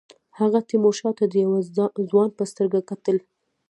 هغه تیمورشاه ته د یوه ځوان په سترګه کتل.